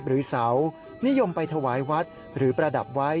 หรือเสานิยมไปถวายวัดหรือประดับไว้